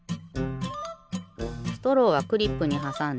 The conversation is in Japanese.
ストローはクリップにはさんで。